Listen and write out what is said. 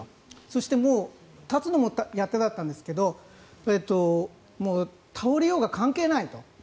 そしてもう、立つのもやっとだったんですけど倒れようが関係ないと。